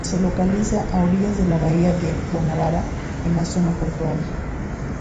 Se localiza a orillas de la bahía de Guanabara, en la Zona Portuaria.